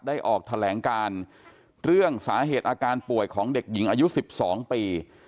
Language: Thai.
ออกแถลงการเรื่องสาเหตุอาการป่วยของเด็กหญิงอายุ๑๒ปี